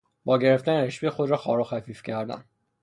با گرفتن رشوه خود را خوار و خفیف کردن